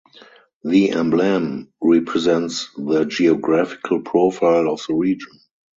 The emblem represents the geographical profile of the region.